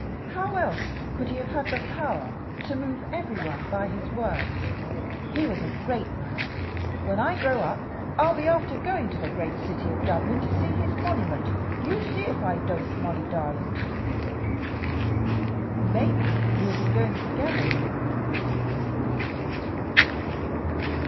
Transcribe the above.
"How else could he have had the power to move every one by his words? He was a great man. When I grow up, I'll be after going to the great city of Dublin to see his monimint. You see if I don't, Mollie darlint." "Maybe we'll be going together, Norah," was the answer.